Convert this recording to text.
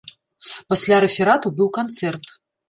Пасля рэферату быў канцэрт.